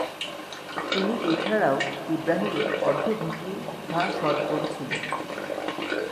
তিনি এছাড়াও ইব্রাহিমের অর্ধ-ভগ্নী বা সৎ বোন ছিলেন।